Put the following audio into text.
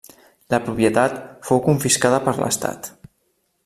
La propietat fou confiscada per l'estat.